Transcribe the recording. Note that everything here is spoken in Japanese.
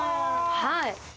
はい。